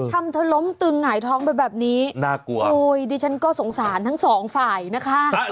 ทำเธอล้มตึงหงายท้องไปแบบนี้น่ากลัวโอ้ยดิฉันก็สงสารทั้งสองฝ่ายนะคะ